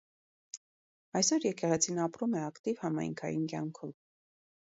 Այսօր եկեղեցին ապրում է ակտիվ համայնքային կյանքով։